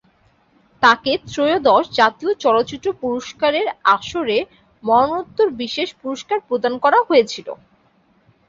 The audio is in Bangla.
তাকে ত্রয়োদশ জাতীয় চলচ্চিত্র পুরস্কারের আসরে মরণোত্তর বিশেষ পুরস্কার প্রদান করা হয়েছিল।